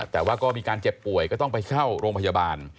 แต่ว่าก็มีการเจ็บป่วยก็ต้องไปเข้าโรงพยาบาล